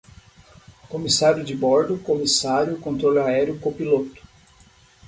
comissária de bordo, comissário, controlo aéreo, copiloto